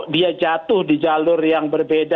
dia jatuh di jalur yang berbeda